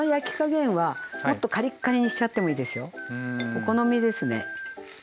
お好みですね。